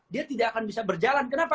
dia tidak akan bisa berjalan kenapa